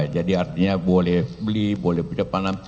jadi artinya boleh beli boleh beli